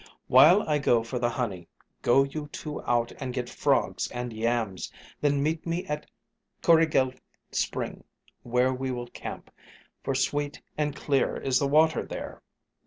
While I go for the honey, go you two out and get frogs and yams, then meet me at Coorigel Spring, where we will camp, for sweet and clear is the water there."